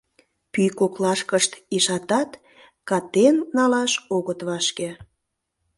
Пӱй коклашкышт ишатат, катен налаш огыт вашке.